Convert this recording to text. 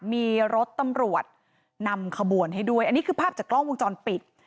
มีรถตำรวจนำขบวนให้ด้วยอันนี้คือภาพจากกล้องวงจรปิด